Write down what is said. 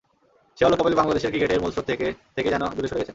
সেই অলক কাপালি বাংলাদেশের ক্রিকেটের মূল স্রোত থেকেই যেন দূরে সরে গেছেন।